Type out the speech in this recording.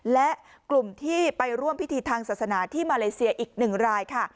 และกลุ่มที่ไปร่วมพิธีทางศาสนาที่มาเลเซียอีก๑รายค่ะ